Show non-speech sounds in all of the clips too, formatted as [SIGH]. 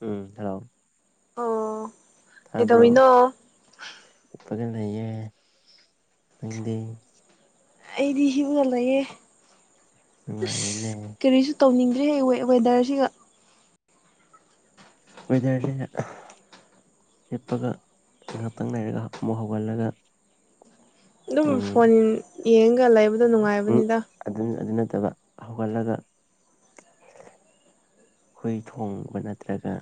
ꯎꯝ hello ꯑꯣ ꯀ ꯇꯅꯣ ꯐꯖꯟ ꯂꯩꯌꯦ ꯅꯪꯗꯤ ꯑꯩꯗꯤ ꯍꯤꯞꯄꯒ ꯂꯩꯌꯦ ꯅꯨꯡꯉꯥꯏꯔꯤꯅꯦ ꯇꯧꯅꯤꯡꯗ꯭ꯔꯤꯍꯦ ꯋꯦ ꯋꯦꯗꯔꯁꯤꯒ ꯋꯦꯗꯔ ꯁꯤꯅ ꯍꯤꯞꯄꯒ ꯉꯍꯥꯛꯇꯪ ꯂꯩꯔꯒ ꯑꯃꯨꯛ ꯍꯧꯒꯠꯂꯒ ꯑꯗꯨꯝ ꯎꯝ ꯐꯣꯟ ꯌꯦꯡꯒ ꯂꯩꯕꯗꯣ ꯅꯨꯡꯉꯥꯏꯕꯅꯤꯗ ꯠꯇ ꯍꯧꯒꯠꯂꯒ ꯍꯨꯏ ꯊꯣꯡꯕ ꯅꯠꯇ꯭ꯔꯒ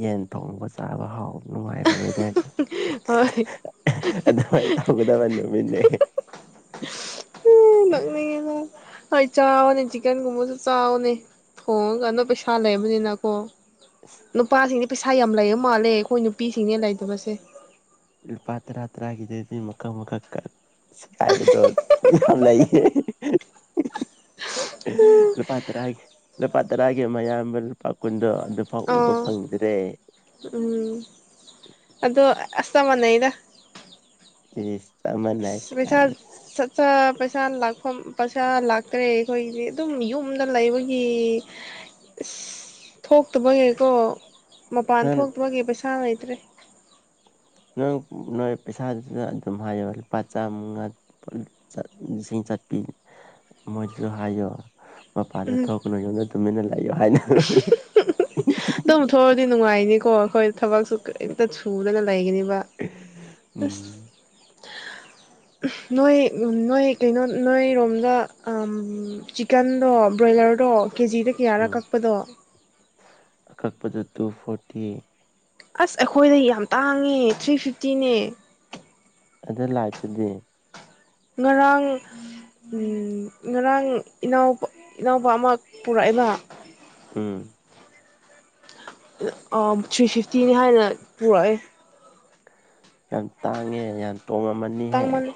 ꯌꯦꯟ ꯊꯣꯡꯕ ꯆꯥꯕ ꯍꯥꯎꯕ ꯅꯨꯡꯉꯥꯏꯕ ꯋꯦꯗꯔꯅꯤ ꯍꯣꯏ ꯑꯗꯨ ꯃꯥꯏꯟ ꯇꯧꯒꯗꯕ ꯅꯨꯃꯤꯠꯅꯦ ꯅꯣꯛꯅꯤꯡꯉꯦꯗ [UNINTELLIGIBLE] ꯍꯣꯏ ꯆꯥꯎꯅꯤ ꯆꯤꯛꯀꯟꯒꯨꯝꯕꯁꯨ ꯆꯥꯎꯅꯤ ꯊꯣꯡꯉꯒ ꯅꯣꯏ ꯄꯩꯁꯥ ꯂꯩꯕꯅꯤꯅꯀꯣ ꯅꯨꯄꯥꯁꯤꯡꯗꯤ ꯄꯩꯁꯥ ꯌꯥꯝ ꯂꯩꯕ ꯃꯥꯜꯂꯦ ꯑꯩꯈꯣꯏ ꯅꯨꯄꯤꯁꯤꯡꯅꯦ ꯂꯩꯇꯕꯁꯦ ꯂꯨꯄꯥ ꯇꯔꯥ ꯇꯔꯥꯒꯤꯗꯗꯤ ꯃꯀꯛ ꯃꯀꯛ ꯀꯛ ꯁꯦꯒꯥꯏꯕꯗꯣ ꯌꯥꯝ ꯂꯩꯌꯦ ꯂꯨꯄꯥ ꯇꯔꯥꯒꯤ ꯂꯨꯄꯥ ꯇꯔꯥꯒꯤ ꯑꯃ ꯃꯌꯥꯝꯕ ꯂꯨꯄꯥ ꯀꯨꯟꯗꯣ ꯑꯗꯨꯐꯥꯎ ꯎꯕ ꯑꯥ ꯐꯪꯗ꯭ꯔꯦ ꯎꯝ ꯑꯗꯣ ꯑꯁ ꯆꯞ ꯃꯥꯅꯩꯗ ꯏꯁ ꯑꯁ ꯄꯩꯁꯥ ꯆꯠ ꯆ ꯄꯩꯁꯥ ꯂꯥꯛꯐꯝ ꯄꯩꯁꯥ ꯂꯥꯛꯇ꯭ꯔꯦ ꯑꯩꯈꯣꯏꯒꯤꯗꯤ ꯑꯗꯨꯝ ꯌꯨꯝꯗ ꯂꯩꯕꯒꯤ ꯑꯁ ꯊꯣꯛꯇꯕꯒꯤꯀꯣ ꯃꯄꯥꯟ ꯅꯪ ꯊꯣꯛꯇꯕꯒꯤ ꯄꯩꯁꯥ ꯂꯩ ꯇꯔꯦ ꯅꯣꯏ ꯅꯣꯏ ꯄꯩꯁꯥꯗꯨꯁꯨ ꯑꯗꯨꯝ ꯍꯥꯏꯌꯣ ꯂꯨꯄꯥ ꯆꯥꯝꯃꯉꯥ ꯆ ꯂꯤꯁꯤꯡ ꯆꯠꯄꯤ ꯃꯣꯏꯗꯨꯁꯨ ꯍꯥꯏꯌꯣ ꯃꯄꯥꯟꯗ ꯊꯣꯛꯅꯨ ꯌꯨꯝꯗ ꯇꯨꯃꯤꯟꯅ ꯂꯩꯌꯨ ꯑꯗꯨꯃ ꯊꯣꯛꯑꯗꯤ ꯅꯨꯡꯉꯥꯏꯅꯤꯀꯣ ꯑꯩꯈꯣꯏ ꯊꯕꯛꯁꯨ ꯀꯩꯝꯇ ꯁꯨꯗꯅ ꯂꯩꯒꯅꯤ ꯑꯁ ꯎꯝ ꯅꯣꯏ ꯅꯣꯏ ꯀꯩꯅꯣ ꯅꯣꯏꯔꯣꯝꯗ ꯑꯝ ꯆꯤꯀꯟꯗꯣ ꯕ꯭ꯔꯣꯏꯂꯔꯗꯣ ꯀꯦꯖꯤꯗ ꯀꯌꯥꯔ ꯀꯛ ꯑ ꯑꯀꯛꯄꯗ ꯇꯨ ꯐꯣꯔꯇꯤ ꯑꯁ ꯑꯩꯈꯣꯏꯗ ꯌꯥꯝ ꯇꯥꯡꯉꯦ ꯊ꯭ꯔꯤ ꯐꯤꯐꯇꯤꯅꯦ ꯑꯗ ꯂꯥꯏꯐ ꯇꯗꯤ ꯉꯔꯥꯡ ꯎꯝ ꯉꯔꯥꯡ ꯏꯅꯥꯎ ꯏꯅꯥꯎꯄ ꯑꯃ ꯄꯨꯔꯛꯑꯦꯕ ꯎꯝ ꯑ ꯊ꯭ꯔꯤ ꯐꯤꯐꯇꯤꯅꯤ ꯍꯥꯏꯅ ꯄꯨꯔꯛꯑꯦ ꯌꯥꯝ ꯇꯥꯡꯉꯦ ꯌꯥꯝ ꯇꯣꯡꯉꯃꯅꯤꯍꯦ ꯇꯥꯡꯃꯜꯂꯦ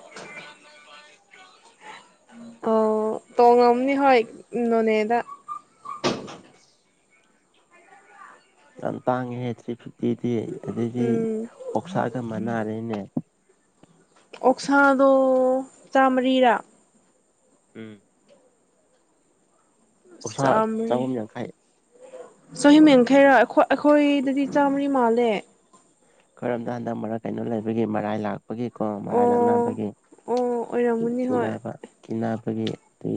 ꯑ ꯇꯣꯡꯉꯝꯅꯤ ꯍꯣꯏ ꯅꯣꯅꯦꯗ ꯌꯥꯝ ꯇꯥꯡꯉꯦꯍꯦ ꯊ꯭ꯔꯤ ꯐꯤꯐ ꯇꯤꯗꯤ ꯑꯗꯩꯗꯤ ꯎꯝ ꯑꯣꯛꯁꯥꯒ ꯃꯅꯥ ꯂꯩꯅꯦ ꯑꯣꯛꯁꯥꯗꯣ ꯆꯥꯝꯃꯔꯤꯔ ꯎꯝ ꯎꯁꯥ ꯆꯍꯨꯝ ꯌꯥꯡꯈꯥꯏ ꯆꯍꯤꯍꯤ ꯌꯥꯡꯈꯩꯔ ꯑꯩꯈꯣꯏꯗꯗꯤ ꯆꯥꯝꯃꯔꯤ ꯃꯥꯜꯂꯦ ꯀꯔꯝꯗ ꯍꯟꯗꯛ ꯃꯔꯒ ꯀꯩꯅꯣ ꯂꯩꯕꯒꯤ ꯃꯔꯥꯏ ꯂꯥꯛꯄ ꯒꯤꯀꯣ ꯃꯔꯥꯏ ꯑꯣ ꯑꯣ ꯑꯣꯏꯔꯝꯒꯅꯤ ꯍꯣꯏ ꯂꯛꯅꯕꯒꯤꯤꯅꯕ ꯑꯩꯒꯤ ꯊ꯭ꯔꯤ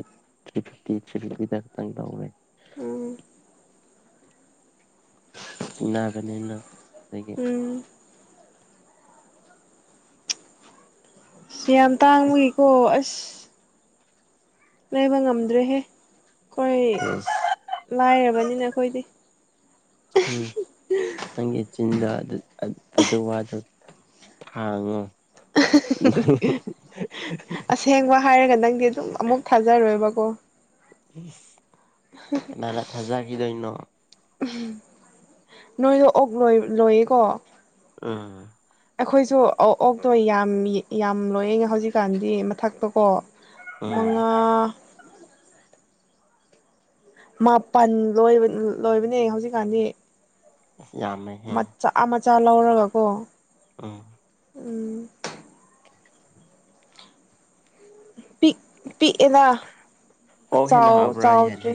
ꯐꯤꯞꯇꯤ ꯊ꯭ꯔꯤ ꯐꯤꯐꯇꯤꯗ ꯈꯛꯇꯪ ꯇꯧꯔꯦ ꯎꯝ ꯆꯤꯡꯅꯥꯕꯅꯤꯅ ꯑꯗꯒꯤ ꯎꯝ ꯌꯥꯝ ꯇꯥꯡꯕꯨꯒꯤꯀꯣ ꯑꯁ ꯂꯩꯕ ꯉꯝꯗ꯭ꯔꯦꯍꯦ ꯑꯩꯈꯣꯏ ꯂꯥꯏꯔꯕꯅꯤꯅ ꯑꯩꯈꯣꯏꯗꯤ ꯎꯝ ꯅꯪꯦ ꯆꯤꯟꯤꯟ ꯑꯗꯨ ꯋꯥꯗꯣ ꯊꯥꯡꯉꯣ ꯑꯁꯦꯡꯕ ꯍꯥꯏꯔꯒ ꯅꯪꯗꯤ ꯑꯗꯨꯝ ꯑꯃꯨꯛ ꯊꯥꯖꯔꯣꯏꯕꯀꯣ ꯎꯝ ꯅꯥꯅ ꯊꯥꯖꯈꯤꯗꯣꯏꯅꯣ ꯅꯣꯏꯗꯣ ꯑꯣꯛ ꯂꯣꯏ ꯂꯣꯏꯌꯦꯀꯣ ꯑꯥ ꯑꯩꯈꯣꯏꯁꯨ ꯑꯣꯛꯇꯣ ꯌꯥꯝ ꯌꯥꯝ ꯂꯣꯏꯌꯦꯉ ꯍꯧꯖꯤꯛꯀꯥꯟꯗꯤ ꯃꯊꯛꯇꯀꯣ ꯎꯝ ꯃꯉꯥ ꯃꯥꯄꯜ ꯂꯣꯏꯕ ꯂꯣꯏꯕꯅꯦ ꯍꯧꯖꯤꯛꯀꯥꯟꯗꯤ ꯌꯥꯅ ꯍꯦ ꯆꯥꯛ ꯂꯧꯔꯒ ꯀꯣ ꯑꯥ ꯎꯝ ꯄꯤ ꯄꯤꯛꯑꯦꯅ ꯑꯣꯛ ꯆꯥꯎ ꯆꯥꯎꯗ꯭ꯔꯦ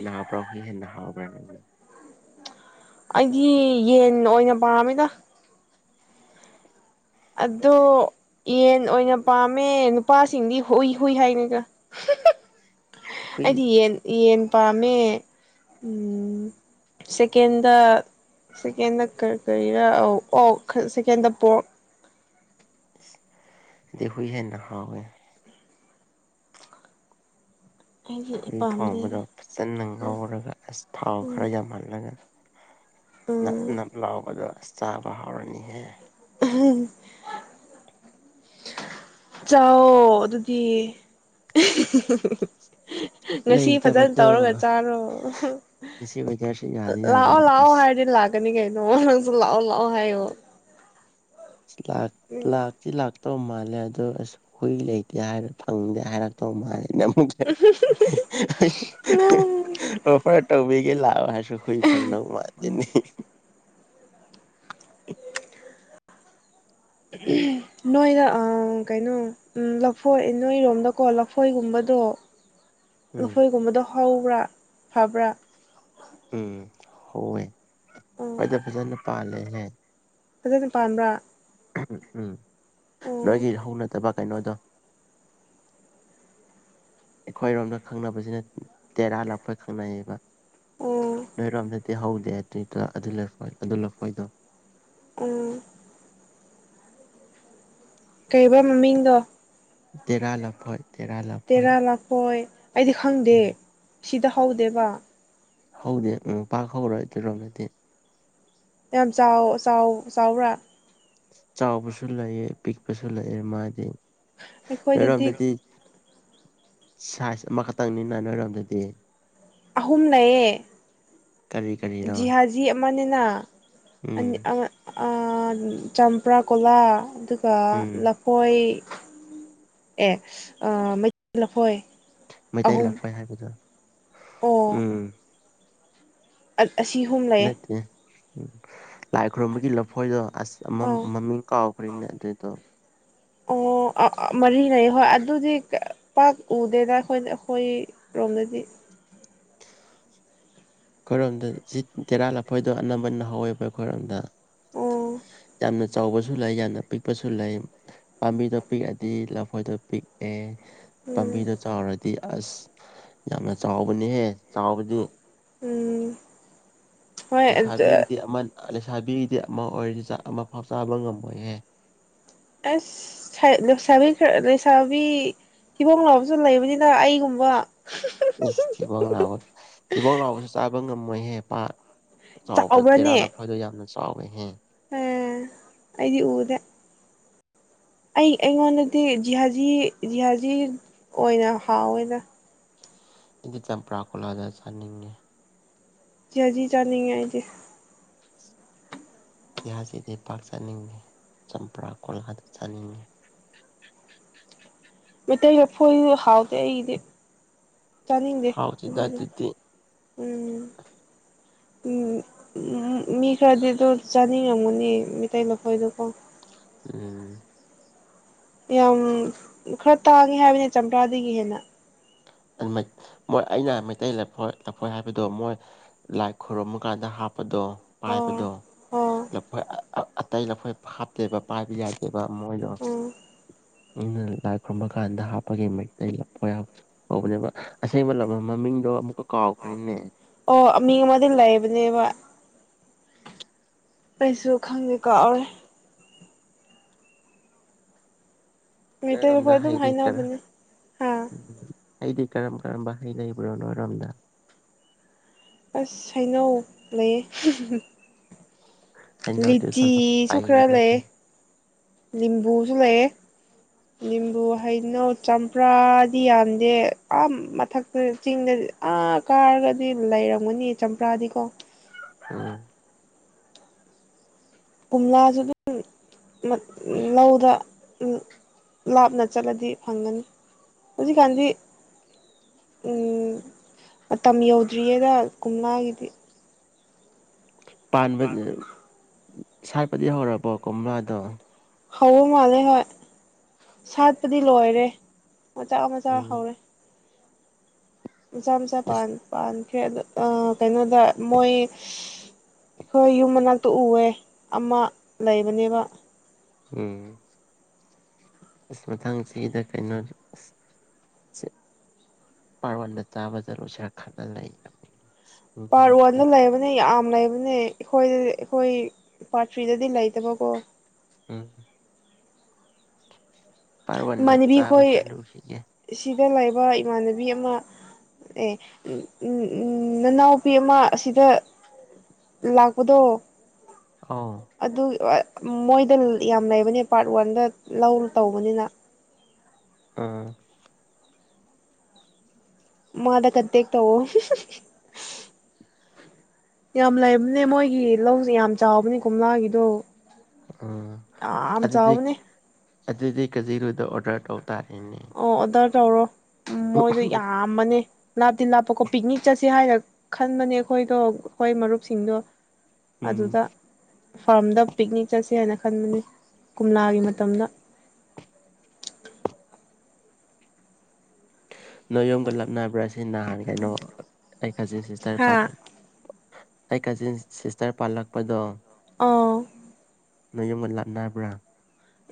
ꯍꯕ ꯑꯩꯗꯤ ꯌꯦꯟ ꯑꯣꯏꯅ ꯄꯥꯝꯃꯤꯗ ꯑꯗꯣ ꯌꯦꯟ ꯑꯣꯏꯅ ꯄꯥꯝꯃꯦ ꯅꯨꯄꯥꯁꯤꯡꯗꯤ ꯍꯨꯏ ꯍꯨꯏ ꯍꯥꯏꯅꯤꯒ ꯑꯗꯤ ꯍꯨꯏꯗꯤ ꯌꯦꯟ ꯌꯦꯟ ꯄꯥꯝꯃꯦ ꯁꯦꯀꯦꯟꯗ ꯁꯦꯀꯦꯟꯗ ꯀꯔꯤꯔꯥ ꯑꯣ ꯁꯦꯀꯦꯟꯗ ꯄꯣꯔ ꯗꯏ ꯍ ꯅꯍꯋꯦ ꯑꯩꯗꯤ ꯍꯈꯣꯏ ꯊꯣꯡꯕꯗꯣ ꯄꯥꯝꯗꯦꯗ ꯐꯖꯅ ꯉꯧꯔꯒ ꯑꯁ ꯊꯥꯎ ꯎꯝ ꯈꯔ ꯌꯥꯝꯍꯜꯂꯒ ꯅ ꯎꯝ ꯂꯥꯛꯑꯣꯕꯗ ꯆꯥꯕ ꯍꯥꯎꯔꯅꯤꯍꯦ ꯎꯝ ꯆꯥꯎꯑꯣꯣ ꯑꯗꯨꯗꯤ ꯉꯁꯤ ꯐꯖꯅ ꯂꯩꯇꯕꯗꯣ ꯇꯧꯔꯒ ꯆꯥꯔꯣ ꯉꯁꯤ ꯋꯦꯗꯔꯁꯨ ꯌꯥꯗꯤ ꯂꯥꯛꯑꯣ ꯌꯥꯕꯅꯤ ꯂꯥꯛꯑꯣ ꯑꯁ ꯍꯥꯏꯔꯗꯤ ꯂꯥꯛ ꯀꯅꯤ ꯀ ꯍꯥꯏ ꯂꯥꯛꯑꯣ ꯂꯥꯛꯑꯣ ꯍꯥꯏꯥꯏ ꯑꯣ ꯂꯥꯛ ꯂꯥꯛꯁꯤ ꯂꯥꯛ ꯛꯇꯧ ꯃꯥꯜꯂꯦ ꯑꯗꯨ ꯑꯁꯨ ꯍꯨꯏ ꯂꯩꯇꯦ ꯍꯥꯏꯔ ꯐꯪꯗꯦ ꯍꯥꯏꯔꯛꯇꯧ ꯃꯥꯜꯂꯦ ꯑꯣꯐꯔ ꯇꯣꯤ ꯌꯦ ꯂꯥꯎ ꯍ ꯐꯪꯗꯧ ꯃꯥꯅꯤ [INAUDIBLE] ꯅꯣꯏꯗ ꯀꯩꯅꯣ ꯂꯐꯣꯏ ꯅꯣꯏꯔꯣꯝꯗꯀꯣ ꯂꯐꯣꯏꯒꯨꯝꯕꯗꯣ ꯎꯝ ꯅꯈꯣꯏꯒꯨꯝꯕꯗꯣ ꯍꯧꯕ꯭ꯔꯥ ꯐꯕ꯭ꯔꯥ ꯎꯝ ꯍꯣꯏꯑꯦ ꯍꯣꯏꯗ ꯐꯖꯅ ꯄꯥꯜꯂꯦꯍꯦ ꯑꯗꯨꯗꯤ ꯄꯥꯟꯕꯥꯝꯕ꯭ꯔꯥ ꯎꯝ ꯎꯝ ꯅꯣꯏꯒꯤ ꯍꯧ ꯅꯠꯇꯕ ꯀꯩꯅꯣꯗꯣ ꯑꯩꯈꯣꯏꯔꯣꯝꯗ ꯈꯪꯅꯕꯁꯤꯅ ꯇꯦꯔꯥ ꯂꯥꯛꯄ ꯈꯪꯅꯩꯌꯦꯕ ꯑꯣ ꯅꯣꯏꯔꯝ ꯊ ꯍ ꯗ ꯑꯗꯨ ꯑꯗꯨ ꯂꯐꯣꯏꯗꯣ ꯎꯝ ꯀꯩꯔꯤꯕ ꯃꯃꯤꯡꯗꯣ ꯇꯦꯔꯥ ꯂꯞ ꯍꯣꯏ ꯇꯔ ꯂꯄꯣꯏ ꯑꯩꯗꯤ ꯈꯪꯗꯦ ꯎꯝ ꯁꯤꯗ ꯍꯧꯗꯦꯕ ꯍꯧꯗꯦ ꯎꯝ ꯄꯥꯛ ꯍꯧꯔꯣꯏ ꯑꯗꯨꯔꯣꯝ ꯅꯠꯇꯦ ꯌꯥꯝ ꯆꯥꯎ ꯆꯥꯎ ꯆꯥꯎꯕ꯭ꯔꯥ ꯆꯥꯎꯕꯁꯨ ꯂꯩꯌꯦ ꯄꯤꯛꯄꯁꯨ ꯂꯩꯌꯦ ꯃꯥꯥꯏꯗꯤ ꯑꯩꯈꯣꯏꯗꯗꯤ ꯃꯔꯣꯝꯗꯗꯤ ꯁꯥꯏꯖ ꯑꯃꯈꯛꯇꯪꯅꯤꯅ ꯅꯣꯏꯔꯣꯝꯗꯗꯤ ꯑꯍꯨꯝ ꯂꯩꯌꯦ ꯀꯔꯤ ꯀꯔꯤꯅꯣ ꯃꯅꯤꯅ ꯎꯝ ꯑꯅꯤ ꯑ ꯆꯝꯄ꯭ꯔꯥ ꯀꯣꯂꯥ ꯀ ꯎꯝ ꯂꯐꯣꯏ ꯑꯦ ꯑ ꯃꯩꯇꯩ ꯂꯐꯣꯏ ꯃꯩꯇꯩ ꯑꯍꯨꯝ ꯂꯥꯛꯄꯣꯏ ꯍꯥꯏꯕꯗꯨ ꯎꯝ ꯑ ꯑꯁꯤ ꯑꯍꯨꯝ ꯂꯩ ꯅꯠꯇꯦ ꯎꯝ ꯂꯥꯏ ꯈꯨꯣꯏꯔꯨꯝꯕꯒꯤ ꯂꯐꯣꯏꯗꯣ ꯑꯁ ꯑꯥ ꯃꯃꯤꯡ ꯀꯥꯎꯈ꯭ꯔꯤꯅꯦ ꯑꯗꯨꯏꯗꯣ ꯑꯣ ꯃꯔꯤ ꯂꯩꯩ ꯍꯣꯏ ꯑꯗꯨꯗꯤ ꯄꯥꯛ ꯎꯗꯦꯗ ꯑꯩꯈꯣꯏ ꯑꯩꯈꯣꯏꯔꯣꯝꯗꯗꯤ ꯑꯩꯈꯣꯏꯔꯣꯝꯗ ꯖꯤꯠ ꯇꯦꯔꯥ ꯂꯐꯣꯏꯗꯣ ꯑꯅꯝꯕꯅ ꯍꯧꯋꯦꯕ ꯑꯩꯈꯣꯏꯔꯣꯝꯗ ꯑꯣ ꯌꯥꯝꯅ ꯆꯥꯎꯕꯁꯨ ꯂꯩ ꯌꯥꯝꯅ ꯄꯤꯛꯄꯁꯨ ꯂꯩ ꯄꯥꯝꯕꯤꯗꯣ ꯄꯤꯛꯑꯗꯤ ꯂꯐꯣꯏꯗꯣ ꯄꯤꯛꯑꯦ ꯎꯝ ꯄꯥꯝꯕꯤꯗꯨꯣ ꯆꯥꯎꯔꯗꯤ ꯑꯁ ꯌꯥꯝꯅ ꯆꯥꯎꯕꯅꯦꯍꯦ ꯆꯥꯎꯕꯗꯤ ꯎꯝ ꯍꯣꯏ ꯂꯩꯁꯥꯕꯤꯒꯤꯗꯤ ꯑꯃ ꯂꯩꯁꯥꯕꯤꯒꯤꯗꯤ ꯑꯃ ꯑꯣꯏꯔꯤꯁꯤ ꯑꯃ ꯐꯥꯎ ꯆꯥꯕ ꯉꯝꯃꯣꯏꯍꯦ ꯑꯁ ꯂꯩꯁꯥꯕꯤ ꯈꯔ ꯂꯩꯁꯥꯕꯤ ꯐꯤꯕꯣꯡ ꯂꯕꯁꯨ ꯂꯩꯕꯅꯤꯅ ꯑꯩꯒꯨꯝꯕ ꯏꯁ ꯊꯤꯕꯣꯡ ꯃꯣꯏ ꯍꯦꯄꯥ ꯆꯥꯎꯥꯎ ꯐ ꯇꯦꯔꯥ ꯂ ꯐ ꯑꯣꯏꯗ ꯌꯥꯝ ꯆꯥꯎꯋꯦꯍꯦ ꯑꯕꯨꯗ ꯑꯩ ꯑꯩꯉꯣꯟꯗꯗꯤ ꯖꯤꯍꯥꯖꯤ ꯖꯤꯍꯥꯖꯤ ꯑꯣꯏꯅ ꯍꯥꯎꯋꯦꯗ ꯏꯗꯤ ꯆ ꯄ꯭ꯔꯥꯀꯣꯂꯗ ꯆꯥꯅꯤꯡꯦ ꯖꯤ ꯆꯥꯅꯤꯡꯉꯦ ꯑꯩꯗꯤꯦ ꯏꯍꯁꯤꯗꯤ ꯄꯥꯛ ꯆꯥꯅꯤꯡꯉꯤ ꯆꯝꯄ꯭ꯔꯥ ꯀꯣꯜꯍꯥ ꯑꯗꯨ ꯆꯥꯅꯤꯡꯉꯤ ꯃꯩꯇꯩ ꯂ ꯐꯣꯏ ꯍꯥꯎꯗꯦ ꯑꯩꯗꯤ ꯆꯅꯤꯡꯗꯦ ꯎ ꯍꯥꯎꯇꯦꯗ ꯑꯗꯨꯗꯤ ꯎꯝ ꯎ ꯃꯤ ꯈꯔꯗꯤ ꯑꯗꯨ ꯆꯥꯅꯤꯡꯉꯝꯒꯅꯤ ꯃꯤꯇꯩ ꯂꯐꯣꯏꯗꯨꯀꯣ ꯎꯝ ꯌꯥꯝ ꯈꯔ ꯇꯥꯒꯦ ꯍꯥꯏꯕꯅꯦ ꯆꯝꯄ꯭ꯔꯥꯗꯒꯤ ꯍꯦꯟꯅ ꯑꯃꯦ ꯃꯣꯏ ꯑꯩꯅ ꯃꯩꯇꯩ ꯂꯐꯣꯏ ꯂꯐꯣꯏ ꯍꯥꯏꯕꯗꯣ ꯃꯣꯏ ꯂꯥꯏ ꯈꯨꯔꯨꯝꯃ ꯀꯥꯟꯗ ꯍꯥꯞ ꯗꯣ ꯑꯣ ꯄꯥꯏꯕꯗꯣ ꯑꯣ ꯑꯇꯩ ꯅꯈꯣꯏ ꯍꯥꯞꯇꯦꯕ ꯄꯥꯏꯕ ꯌꯥꯗꯦꯕ ꯃꯣꯏ ꯂ ꯎꯝ [UNINTELLIGIBLE] ꯂꯥꯏ ꯈꯨꯔꯨꯝꯕ ꯀꯥꯟꯗ ꯍꯥꯞꯄꯒꯤ ꯃꯩꯇꯩ ꯂꯥꯐꯣꯏ ꯍꯥꯄ ꯍꯧꯕꯅꯦꯕ ꯑꯁꯦꯡꯕ ꯂꯝ ꯃꯃꯤꯡꯗꯣ ꯑꯃꯨꯛꯀ ꯀꯥꯎꯈ꯭ꯔꯦꯅꯦ ꯑꯣ ꯃꯤ ꯑꯃꯗꯤ ꯂꯩꯕꯅꯦꯕ ꯑꯩꯩꯁꯨ ꯈꯪꯗꯦ ꯀꯥꯎꯔꯦ ꯃꯩꯇꯩ ꯅꯣꯏꯔꯣꯝꯗ ꯂꯐꯣꯏ ꯑꯗꯨꯝ ꯍꯥꯏꯗꯤ ꯀꯔꯥ ꯍꯥꯏꯅꯕꯅꯦ ꯑꯥ ꯑꯩꯗꯤ ꯀꯔꯝ ꯀꯔꯝꯕ ꯍꯩ ꯂꯩꯕ꯭ꯔꯣ ꯅꯣꯏꯔꯣꯝꯗ ꯑꯁ ꯍꯩꯅꯧ ꯂꯩꯌꯦ ꯍꯩꯅꯧꯗꯤ ꯁꯣꯝꯗ ꯂꯤꯆꯤꯁꯨ ꯈꯔ ꯄꯩꯔꯦ ꯂꯩꯌꯦ ꯂꯤꯝꯕꯨꯖꯨ ꯂꯩꯌꯦ ꯂꯤꯝꯕꯨ ꯍꯩꯅꯧ ꯆꯝꯄ꯭ꯔꯥꯗꯤ ꯌꯥꯝꯗꯦ ꯑꯥ ꯃꯊꯛꯇ ꯆꯤꯡꯗꯗꯤ ꯑꯥ ꯀꯥꯔꯒꯗꯤ ꯂꯩꯔꯝꯒꯅꯤ ꯆꯝꯄ꯭ꯔꯥꯗꯤꯀꯣ ꯎꯝ ꯀꯣꯝꯂꯥꯁꯨ ꯑꯗꯨꯝ ꯂꯧꯗ ꯂꯥꯞꯅ ꯆꯠꯂꯗꯤ ꯐꯪꯒꯅꯤ ꯍꯧꯖꯤꯛꯀꯥꯟꯗꯤ ꯃꯇꯝ ꯎꯝ ꯌꯧꯗ꯭ꯔꯤꯌꯦꯗ ꯀꯣꯝꯂꯥꯒꯤꯗꯤ ꯄꯥꯟꯕꯅꯦ ꯁꯥꯥꯠꯄꯗꯤ ꯍꯧꯔꯕꯣ ꯀꯣꯝꯂꯥꯗꯣ ꯍꯧꯕ ꯃꯥꯜꯂꯦ ꯍꯣꯏ ꯁꯥꯠꯄꯗꯤ ꯂꯣꯏꯔꯦ ꯃꯆꯥꯥ ꯃꯆꯥ ꯎꯝ ꯍꯧꯔꯦ ꯃꯆꯥ ꯃꯆꯥ ꯄꯥꯟ ꯑꯁ ꯄꯥꯟ ꯈꯔꯦ ꯑꯗꯨ ꯑꯥ ꯀꯩꯅꯣꯗ ꯃꯣꯏ ꯑꯩꯈꯣꯏ ꯌꯨꯝ ꯃꯅꯥꯛꯇ ꯎꯋꯦ ꯑꯃ ꯂꯩꯕꯅꯦꯕ ꯎꯝ ꯑꯁ ꯃꯊꯪ ꯆꯍꯤꯗ ꯀꯩꯅꯣ ꯑꯁ ꯄꯥꯔꯣꯟꯗ ꯆꯥꯕ ꯆꯠꯂꯨꯁꯤꯔ ꯈꯜꯂꯥ ꯂꯩꯔꯝꯅꯤ ꯄꯥꯔ ꯋꯥꯟꯗ ꯂꯩꯕꯅꯦ ꯌꯥꯝ ꯂꯩꯕ ꯗꯨꯅꯦ ꯑꯩꯈꯣꯏ ꯑꯩꯈꯣꯏ ꯄꯥꯔꯠ ꯊ꯭ꯔꯤꯗꯗꯤ ꯂꯩꯇꯕꯀꯣ ꯎꯝ ꯄꯥꯔ ꯋꯥꯟꯗ ꯆꯥꯕ ꯆꯂꯨꯈꯤꯒꯦ ꯗ ꯂꯩꯕ ꯏꯃꯥꯟꯅꯕꯤ ꯑꯃ ꯑꯦ ꯅꯅꯥꯎꯄꯤ ꯑꯃ ꯑꯁꯤꯗ ꯂꯥꯛꯄꯗꯣ ꯑꯧ ꯑꯗꯨ ꯃꯣꯏꯗ ꯌꯥꯝ ꯂꯩꯕꯅꯦ ꯄꯥꯔꯠ ꯋꯥꯟꯗ ꯂꯧ ꯇꯧꯕꯅꯤꯅ ꯑꯥ ꯃꯥꯗ ꯀꯟꯇꯦꯛ ꯇꯧꯑꯣ ꯌꯥꯝ ꯂꯩꯕꯅꯦ ꯃꯣꯏꯒꯤ ꯂꯧꯖꯦ ꯌꯥꯝ ꯆꯥꯎꯕꯅꯦ ꯀꯣꯝꯂꯥꯒꯤꯗꯣ ꯎꯝ ꯌꯥꯝ ꯑꯗꯨꯗꯤ ꯆꯥꯎꯕꯅꯦ ꯑꯗꯨꯗꯤ ꯀꯖꯤꯔꯨꯗ ꯑꯣꯔꯗꯔ ꯇꯧ ꯇꯔꯦꯅꯦ ꯑꯣ ꯑꯣꯗꯔ ꯇꯧꯔꯣ ꯎꯝ ꯃꯣꯏꯗꯣ ꯌꯥꯝꯃꯅꯦ ꯂꯥꯞꯇꯤ ꯂꯥꯞꯄꯀꯣ ꯄꯤꯛꯅꯤꯛ ꯆꯠꯁꯦ ꯍꯥꯏꯔ ꯈꯟꯕꯅꯦ ꯑꯈꯣꯏꯗꯣ ꯑꯈꯣꯏ ꯃꯔꯨꯞꯁꯤꯡꯗꯣ ꯎꯝ ꯑꯗꯨꯗ ꯐꯥꯔꯝꯗ ꯄꯤꯛꯅꯤꯛ ꯆꯠꯁꯦ ꯍꯥꯏꯅ ꯈꯟꯕꯅꯤ ꯀꯣꯝꯂꯥꯒꯤ ꯃꯇꯝꯗ ꯅ ꯌꯣꯒ ꯂꯞꯅꯕ꯭ꯔꯥ ꯑꯁꯤ ꯅꯍꯥꯟ ꯀꯩꯅꯣ ꯦꯁꯤ ꯇꯔꯦ ꯍꯥꯥ ꯄꯔꯦ ꯑꯩ ꯀꯖꯤꯟ ꯁꯤꯁꯇꯔ ꯄꯥꯜꯂꯛꯄꯗꯣ ꯑꯥ ꯅ ꯌꯨꯝꯕ ꯂꯠ ꯕ꯭ꯔꯥ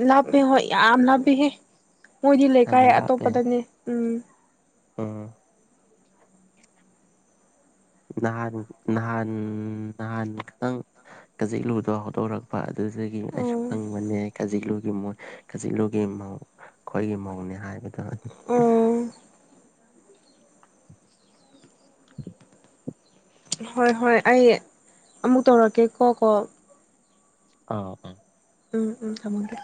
ꯂꯕꯦ ꯍꯣꯏ ꯌꯥꯝ ꯂꯕꯤꯕꯤꯍꯦ ꯃꯣꯏꯗꯤ ꯂꯩꯀꯥꯏ ꯑꯇꯣꯞꯄꯗꯅꯦ ꯎꯝ ꯎ ꯅꯍꯥꯟ ꯅꯍꯥꯟ ꯅꯍꯥꯟ ꯈꯤꯇꯪ ꯀꯖꯤꯛ ꯂꯨꯗꯣ ꯍꯧꯠꯇꯣꯔꯛꯄ ꯑꯗꯨꯒꯤ ꯑꯣ ꯑꯥꯏꯁꯨꯨꯈꯪ ꯃꯅꯦ ꯀꯖꯤꯛꯂꯨ ꯃꯣꯏ ꯀꯖꯤꯂꯨꯒꯤ ꯃꯧ ꯈꯣꯏꯒꯤ ꯃꯧꯅꯦ ꯍꯥꯏꯕ ꯇ ꯑꯣ ꯍꯣꯏ ꯍꯣꯏ ꯑꯩ ꯑꯃꯨꯛ ꯇꯧꯔꯛꯀꯦ ꯀꯣ ꯀꯣ ꯑꯥ ꯑ ꯎꯝ ꯎꯝ ꯊꯃꯟꯒ